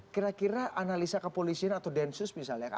kira kira analisa kepolisian atau densus misalnya